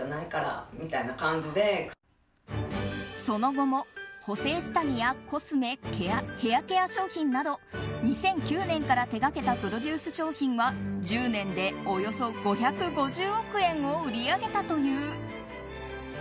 その後も補正下着やコスメヘアケア商品など２００９年から手掛けたプロデュース商品は１０年でおよそ５５０億円を売り上げたという。